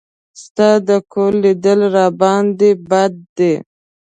ستا د کور لیدل راباندې بد دي.